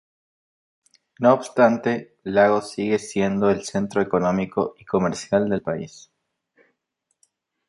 No obstante, Lagos sigue siendo el centro económico y comercial del país.